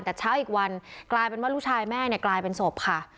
แต่เช้าอีกวันกลายเป็นว่าลูกชายแม่เนี่ยกลายเป็นศพค่ะ